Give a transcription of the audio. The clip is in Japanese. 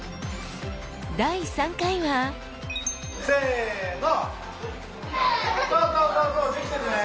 第３回はせの！